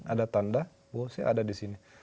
ada tanda bahwa saya ada di sini